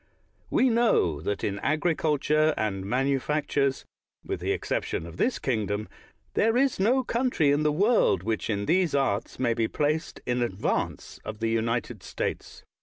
We know that in agriculture and manufactures, with the exception of this kingdom, there is no country in the world whioh in these arts may be placed in advance of the United States.